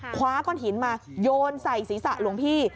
คว้าก้อนหินมาโยนใส่ศีรษะหลวงพี่